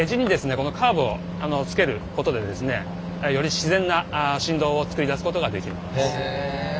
このカーブをつけることでですねより自然な振動を作り出すことができます。